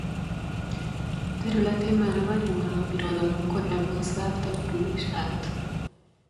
Területén már a Nagymorva Birodalom korában szláv település állt.